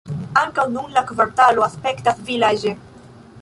Ankaŭ nun la kvartalo aspektas vilaĝo.